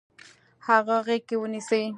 هغه غیږ کې ونیسئ.